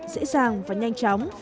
dễ dàng và nhanh chóng